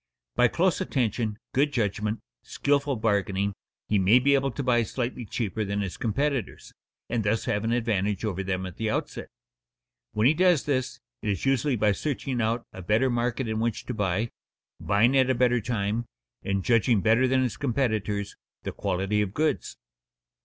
By close attention, good judgment, skilful bargaining, he may be able to buy slightly cheaper than his competitors, and thus have an advantage over them at the outset. When he does this, it is usually by searching out a better market in which to buy, buying at a better time, and judging better than his competitors the quality of goods.